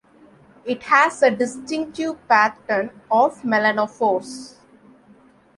It has a distinctive pattern of melanophores.